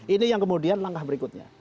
ini yang kemudian langkah berikutnya